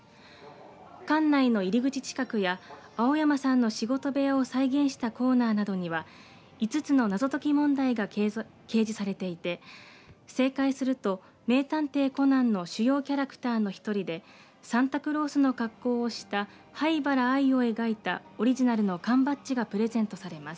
館内の入り口近くや青山さんの仕事部屋を再現したコーナーには５つの謎解き問題が掲示されていて正解すると名探偵コナンの主要キャラクターの１人でサンタクロースの格好をした灰原哀を描いたオリジナルの缶バッジがプレゼントされます。